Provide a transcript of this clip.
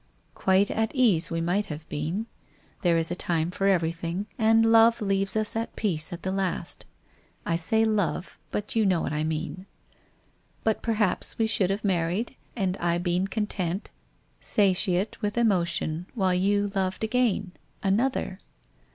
Quiet, at ease, we might have been. There is a time for everything, and Love leaves us at peace at the last. I say Love, but you know what I mean. But perhaps we should have married, and I been content, satiate with emo tion, while you loved again — another?